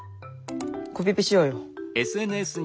コピペしようよ。